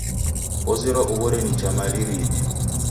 Ozerwa ughore nicha mali riiw'ilo.